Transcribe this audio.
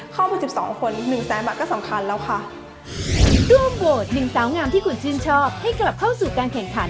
เข้าไป๑๒คน๑แซมบัตรก็สำคัญแล้วค่ะ